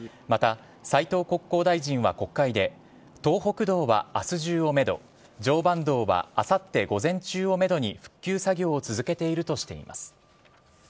また、斉藤国交大臣は国会で東北道は明日中をめど常磐道はあさって午前中をめどに復旧作業を続けているとしています。